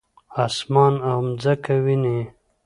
اسمان او مځکه وینې؟